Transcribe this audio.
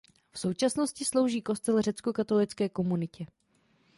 V současnosti slouží kostel řeckokatolické komunitě.